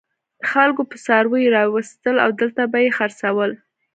خلکو به څاروي راوستل او دلته به یې خرڅول.